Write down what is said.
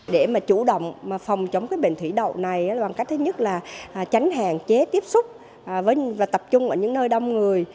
để mà chủ động phòng chống cái bệnh thủy đậu này bằng cách thứ nhất là tránh hạn chế tiếp xúc và tập trung ở những nơi đông người